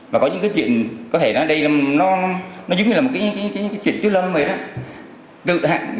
và có những cái chuyện có thể nói đây nó giống như là một cái chuyện chứa lâm vậy đó